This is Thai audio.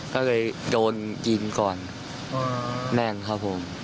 ก็เลยโดนยิงก่อนแน่นครับผม